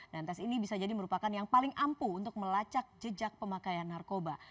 dan tes ini bisa jadi merupakan yang paling ampuh untuk melacak jejak pemakaian narkoba